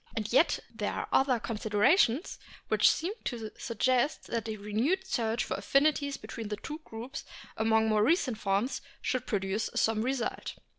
And yet there are other considerations which seem to suggest that a renewed search for affinities between the two groups among more recent forms should produce some result.